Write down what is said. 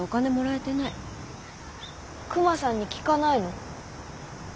クマさんに聞かないの？